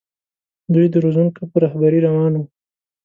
دوی د روزونکو په رهبرۍ روان وو.